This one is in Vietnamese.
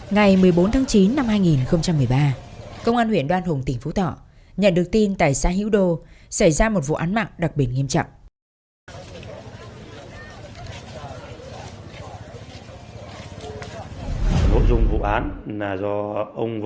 ngày một mươi bốn tháng chín năm hai nghìn một mươi ba công an huyện đoan hùng tỉnh phú thọ nhận được tin tại xã hữu đô xảy ra một vụ án mạng đặc biệt nghiêm trọng